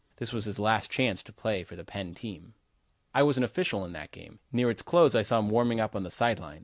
This was his last chance to play on the Penn' team. I was an official in that game. Near its close I saw him warming up on the side line.